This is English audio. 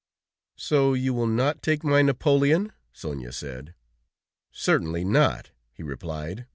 "So you will not take my napoleon?" Sonia said. "Certainly not," he replied.